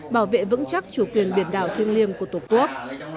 bảo vệ vững chắc chủ quyền biển đảo thiêng liêng của tổ quốc